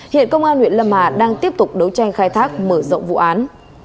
hiện công an huyện lâm hà đang tiếp tục đấu tranh khai thác mở rộng vụ án